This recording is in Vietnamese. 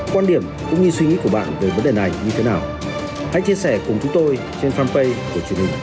quan điểm cũng như suy nghĩ của bạn về vấn đề này như thế nào hãy chia sẻ cùng chúng tôi trên fanpage của truyền hình nhân dân